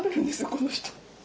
この人。